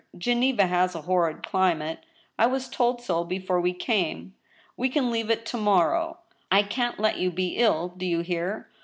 ... Geneva has a horrid climate ;... I was told so before we came. ' We can leave it to morrow. I can't let you be ill — do you hear?